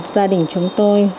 gia đình chúng tôi